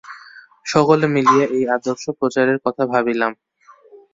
সকলে মিলিয়া এই আর্দশ-প্রচারের কথা ভাবিলাম।